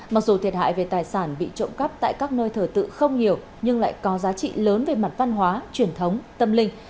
mặc dù thiệt hại về tài sản bị trộm cắp tại các nơi thờ tự không nhiều nhưng lại có giá trị lớn về mặt văn hóa truyền thống tâm linh